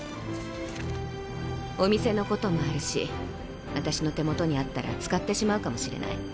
お店のこともあるし私の手元にあったら使ってしまうかもしれない。